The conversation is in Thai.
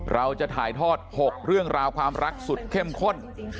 เราจะถ่ายทอด๖เรื่องราวความรักสุดเข้มข้น